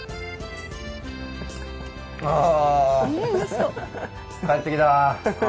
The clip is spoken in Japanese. ああ！